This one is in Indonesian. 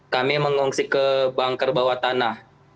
kami mengungsi ke bunker bawah tanah